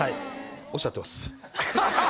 おっしゃってます。